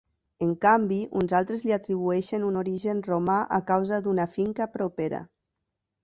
En canvi, uns altres li atribueixen un origen romà a causa d'una finca propera.